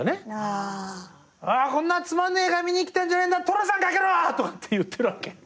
「こんなつまんねえ映画見に来たんじゃねえんだ寅さんかけろ！」とかって言ってるわけ。